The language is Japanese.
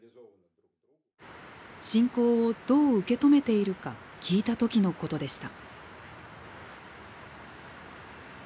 侵攻をどう受け止めているか聞いたときのことでした。